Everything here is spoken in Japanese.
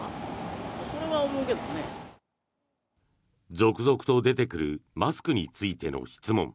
続々と出てくるマスクについての質問。